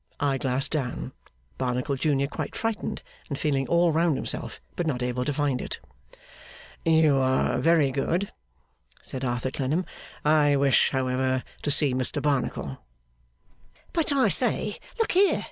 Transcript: Eye glass down. Barnacle Junior quite frightened and feeling all round himself, but not able to find it.) 'You are very good,' said Arthur Clennam. 'I wish however to see Mr Barnacle.' 'But I say. Look here!